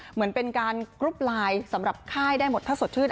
เหมือนเป็นการกรุ๊ปไลน์สำหรับค่ายได้หมดถ้าสดชื่น